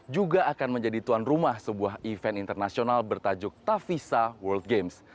juga akan menjadi tuan rumah sebuah event internasional bertajuk tavisa world games